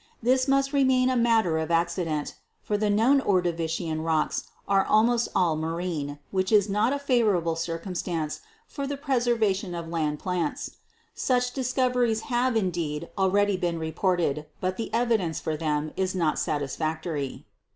This must remain a matter of accident, for the known Ordovician rocks are almost all marine, which is not a favorable circumstance for the preservation of land plants. Such discoveries have, indeed, already been reported, but the evidence for them is not satisfactory.